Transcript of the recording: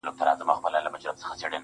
• ستا د سونډو د خندا په خاليگاه كـي.